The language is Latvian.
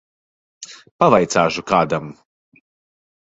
Pavaicāšu kādam.